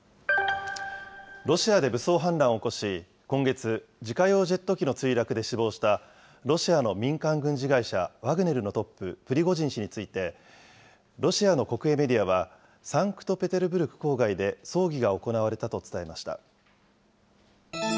ロシアで武装反乱を起こし、今月、自家用ジェット機の墜落で死亡した、ロシアの民間軍事会社ワグネルのトップ、プリゴジン氏について、ロシアの国営メディアは、サンクトペテルブルク郊外で葬儀が行われたと伝えました。